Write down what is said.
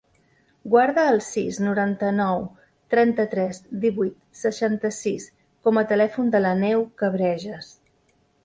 Guarda el sis, noranta-nou, trenta-tres, divuit, seixanta-sis com a telèfon de l'Aneu Cabrejas.